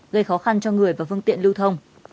gây khó khăn cho người và phương tiện lưu thông